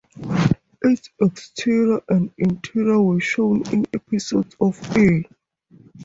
Its exterior and interior were shown in episodes of E!